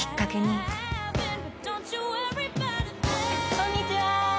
こんにちは。